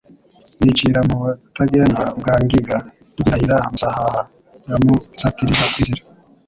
nicira mu Butagendwa bwa Ngiga, Rwirahira Musahaha rwa Musatirizanzira,